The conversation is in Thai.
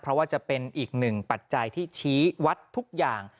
เพราะว่าจะเป็นอีกหนึ่งปัจจัยที่ชี้วัดทุกอย่าง